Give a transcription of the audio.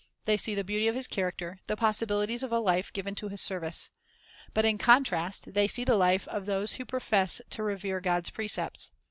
They see the beauty of His character, the possibilities of a life given to His service. But in contrast they see the life of those who profess to revere God's precepts.